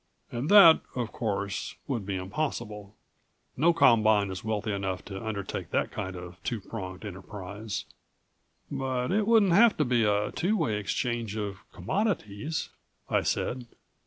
And that, of course, would be impossible. No combine is wealthy enough to undertake that kind of two pronged enterprise." "But it wouldn't have to be a two way exchange of commodities," I said.